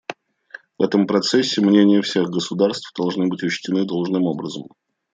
В этом процессе мнения всех государств должны быть учтены должным образом.